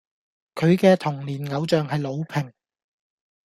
佢既童年偶像係魯平